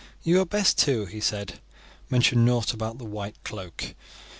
"You had best too," he said, "mention nought about the white cloak.